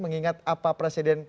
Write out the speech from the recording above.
mengingat apa presiden